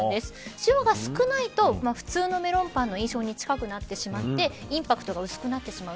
塩が少ないと普通のメロンパンの印象に近くなってしまってインパクトが薄くなってしまう。